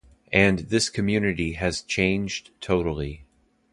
And this community has changed totally.